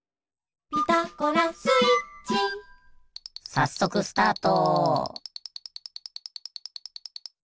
さっそくスタート！